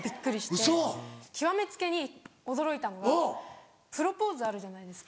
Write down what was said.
極め付きに驚いたのがプロポーズあるじゃないですか。